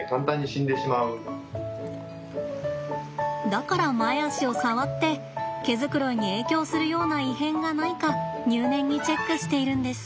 だから前足を触って毛づくろいに影響するような異変がないか入念にチェックしているんです。